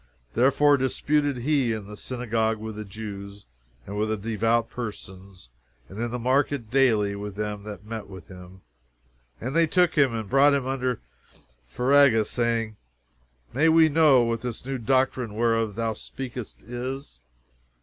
Therefore disputed he in the synagogue with the Jews, and with the devout persons, and in the market daily with them that met with him. "And they took him and brought him unto Areopagus, saying, May we know what this new doctrine whereof thou speakest is?